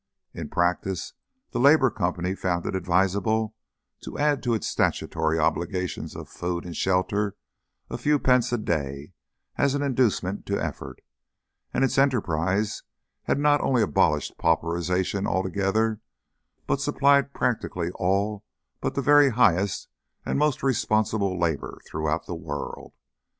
In practice the Labour Company found it advisable to add to its statutory obligations of food and shelter a few pence a day as an inducement to effort; and its enterprise had not only abolished pauperisation altogether, but supplied practically all but the very highest and most responsible labour throughout the world.